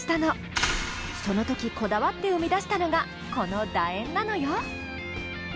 その時こだわって生み出したのがこのだ円なのよ。